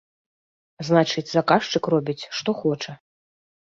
Значыць, заказчык робіць, што хоча.